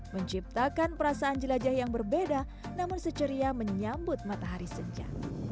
menciptakan perasaan jelajah yang berbeda namun seceria menyambut matahari senja